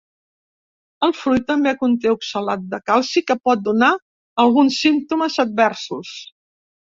El fruit també conté oxalat de calci que pot donar alguns símptomes adversos.